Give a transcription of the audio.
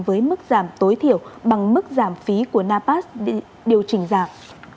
với mức giảm tối thiểu bằng mức giảm phí của napat điều chỉnh giảm